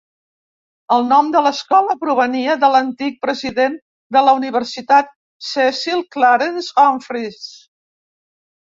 El nom de l"escola provenia de l"antic president de la universitat Cecil Clarence Humphreys.